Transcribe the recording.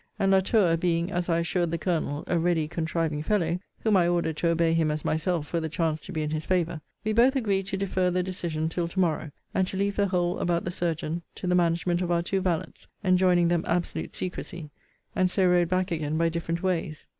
And La Tour, being, as I assured the Colonel, a ready contriving fellow, [whom I ordered to obey him as myself, were the chance to be in his favour,] we both agreed to defer the decision till to morrow, and to leave the whole about the surgeon to the management of our two valets; enjoining them absolute secrecy: and so rode back again by different ways.